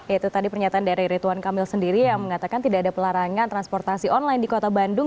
itu tadi pernyataan dari rituan kamil sendiri yang mengatakan tidak ada pelarangan transportasi online di kota bandung